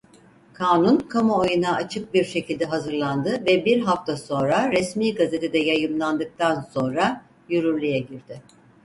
Kanun kamuoyuna açık bir şekilde hazırlandı ve bir hafta sonra "Resmî Gazete"de yayımlandıktan sonra yürürlüğe girdi.